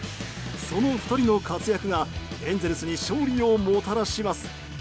その２人の活躍が、エンゼルスに勝利をもたらします。